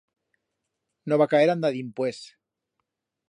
No va caer anda dimpués.